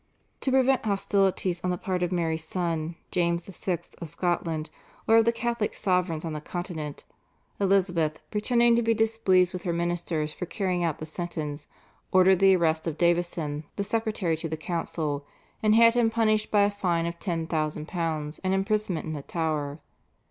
To prevent hostilities on the part of Mary's son, James VI. of Scotland, or of the Catholic sovereigns on the Continent, Elizabeth, pretending to be displeased with her ministers for carrying out the sentence, ordered the arrest of Davison the secretary to the council, and had him punished by a fine of £10,000 and imprisonment in the Tower.